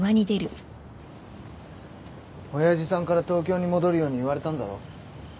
親父さんから東京に戻るように言われたんだろ？